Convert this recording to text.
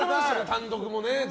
単独もね。